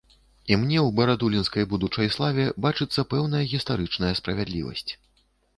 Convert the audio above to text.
І мне ў барадулінскай будучай славе бачыцца пэўная гістарычная справядлівасць.